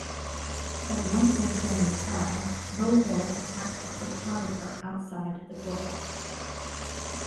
At one point during the trial, Vohor attacked a photographer outside the court house.